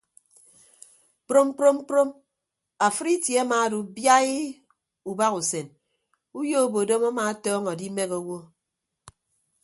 Kprom kprom kprom afịd itie amaado biaii ubahasen uyo obodom ama atọñọ adimehe owo.